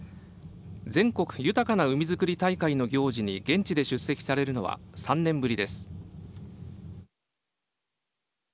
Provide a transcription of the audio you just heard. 「全国豊かな海づくり大会」の行事に現地で出席されるのは３年ぶりです。